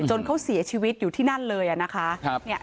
เขาเสียชีวิตอยู่ที่นั่นเลยนะคะ